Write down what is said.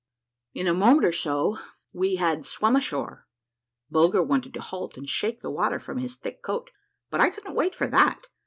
In a moment or so we liad swum ashore. Bulger wanted to halt and shake the water from his thick coat, but I couldn't wait for that.